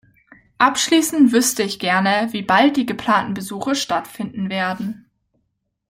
Abschließend wüsste ich gern, wie bald die geplanten Besuche stattfinden werden.